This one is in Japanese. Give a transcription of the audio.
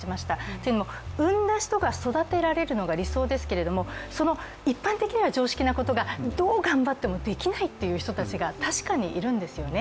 というのも、産んだ人が育てられるのが理想ですけどその一般的には常識なことがどう頑張ってもできないという人が確かにいるんですよね。